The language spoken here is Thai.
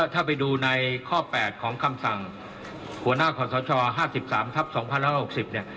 ถ้าไปดูในข้อ๘ของคำสั่งหัวหน้าขอสช๕๓ทับ๒๑๖๐เนี่ย